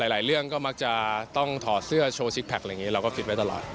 หลายเรื่องก็มักจะต้องถอดเสื้อโชว์ซิกแพคอะไรอย่างนี้เราก็คิดไว้ตลอด